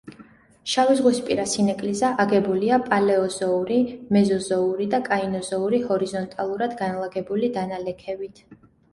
შავიზღვისპირა სინეკლიზა აგებულია პალეოზოური, მეზოზოური და კაინოზოური ჰორიზონტალურად განლაგებული დანალექებით.